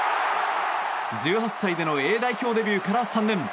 １８歳でのＡ代表デビューから３年。